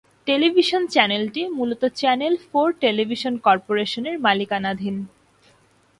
Television চ্যানেলটি মূলত channel four television কর্পোরেশনের মালিকানাধীন।